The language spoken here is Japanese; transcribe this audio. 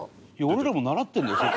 俺らも習ってるんだよ